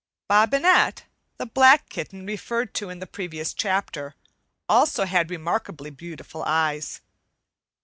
"Bobinette," the black kitten referred to in the previous chapter, also had remarkably beautiful eyes.